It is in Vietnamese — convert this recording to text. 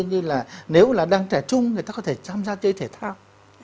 nếu là đang trẻ trung người ta có thể tham gia chơi thể thao